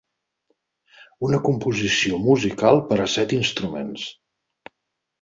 Una composició musical per a set instruments.